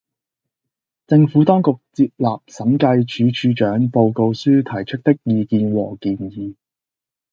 政府當局接納審計署署長報告書提出的意見和建議